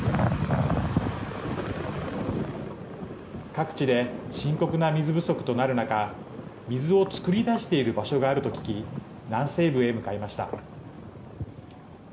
各地で深刻な水不足となる中水を作り出している場所があると聞き南西部へ向かいました。